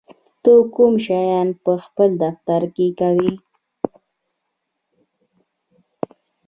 ته کوم شیان په خپل دفتر کې کوې؟